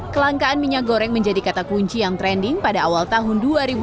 kelangkaan minyak goreng menjadi kata kunci yang trending pada awal tahun dua ribu dua puluh